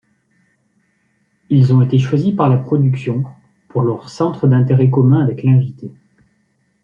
Ils ont été choisis par la production pour leurs centres d'intérêt communs avec l'invité.